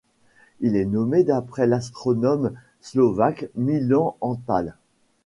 Il est nommé d'après l'astronome slovaque Milan Antal.